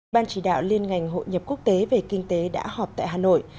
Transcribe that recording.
ban chỉ đạo liên ngành hội nhập quốc tế về kinh tế đã họp tại hà nội